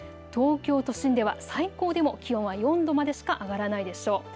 東京都心では最高でも気温は４度までしか上がらないでしょう。